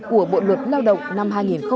của bộ luật lao động năm hai nghìn một mươi năm